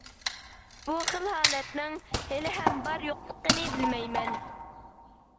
بۇ خىل ھالەتنىڭ ھېلىھەم بار-يوقلۇقىنى بىلمەيمەن.